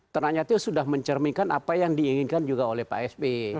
ternyata itu sudah mencerminkan apa yang diinginkan juga oleh pak sby